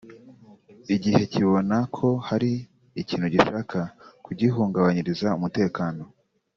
igihe kibona ko hari ikintu gishaka kugihungabanyiriza umutekano